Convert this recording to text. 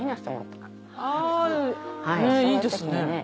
いいですね。